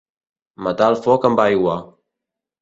Matar el foc amb aigua.